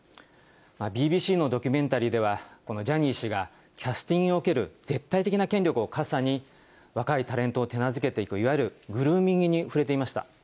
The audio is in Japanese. ＢＢＣのドキュメンタリーでは、このジャニー氏がキャスティングにおける絶対的な権力をかさに、若いタレントを手なずけていく、いわゆるグルーミングに触れていました。